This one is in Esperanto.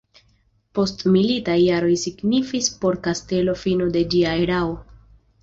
Postmilitaj jaroj signifis por kastelo fino de ĝia erao.